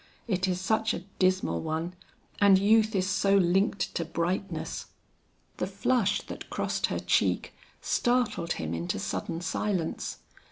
It is such a dismal one, and youth is so linked to brightness." The flush that crossed her cheek, startled him into sudden silence.